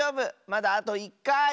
まだあと１かい！